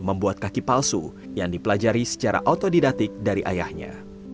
membuat kaki palsu yang dipelajari secara otodidatik dari ayahnya